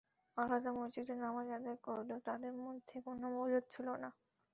আলাদা মসজিদে নামাজ আদায় করলেও তাঁদের মধ্যে কোনো বিরোধ ছিল না।